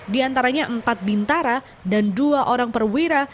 di antaranya empat bintara dan dua orang perwira